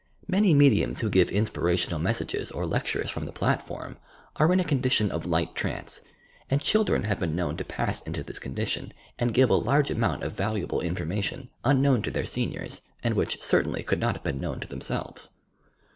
Many mediums who give inspirational messages or lectures from the platform are in a condition of light trance, and children have been known to pass into this condition and give a large amount of vahiablp information, unknown to their seniors, and which certainly could not have been known to themselves.